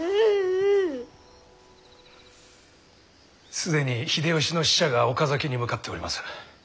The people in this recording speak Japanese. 既に秀吉の使者が岡崎に向かっております。